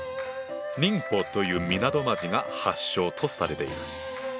寧波という港町が発祥とされている。